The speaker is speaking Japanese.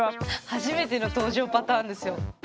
初めての登場パターンですよ。